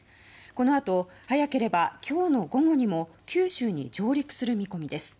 このあと早ければ今日の午後にも九州に上陸する見込みです。